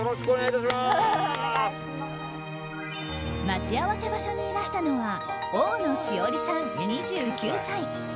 待ち合わせ場所にいらしたのは大野詩織さん、２９歳。